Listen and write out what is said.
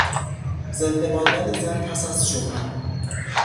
زنده ماندن زن پس از شوهر